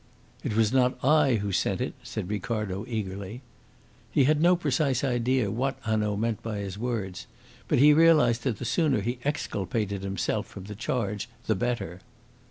"It was not I who sent it," said Ricardo eagerly. He had no precise idea what Hanaud meant by his words; but he realised that the sooner he exculpated himself from the charge the better.